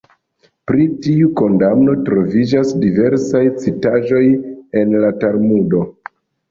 Pri tiu kondamno troviĝas diversaj citaĵoj en la Talmudo.